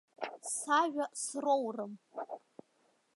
Сажәа сроурым.